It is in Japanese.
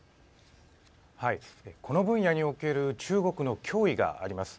この分野における中国の脅威があります。